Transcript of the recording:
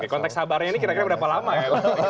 konteks sabarnya ini kira kira berapa lama ya